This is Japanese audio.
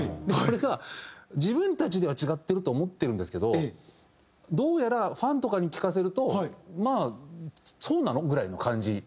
これが自分たちでは違ってると思ってるんですけどどうやらファンとかに聴かせるとまあそうなの？ぐらいの感じ。